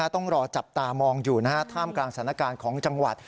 ต้องรอจับตามองอยู่ท่ามกลางสถานการณ์ของจังหวัด